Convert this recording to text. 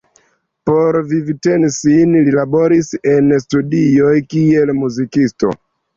Por vivteni sin li laboris en studioj kiel muzikisto.